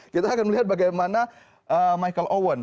kita akan melihat bagaimana michael owen